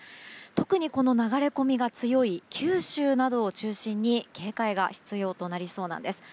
特に、この流れ込みが強い九州などを中心に警戒が必要となりそうなんです。